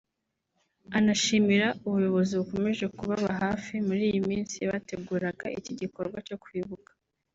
Anashimira ubuyobozi bukomeje kubaba hafi muri iyi minsi bateguraga iki gikorwa cyo kwibuka